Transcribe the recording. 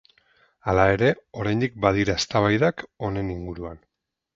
Hala ere oraindik badira eztabaidak honen inguruan.